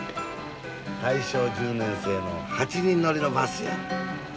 大正１０年製の８人乗りのバスや。